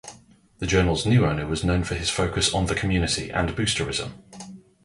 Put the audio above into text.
The Journal's new owner was known for his focus on the community and boosterism.